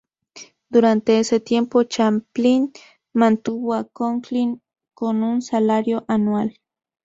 Durante ese tiempo, Chaplin mantuvo a Conklin con un salario anual.